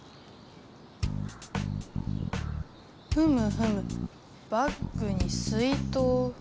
ふむふむバッグに水とう。